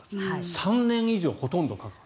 ３年以上ほとんどがかかる。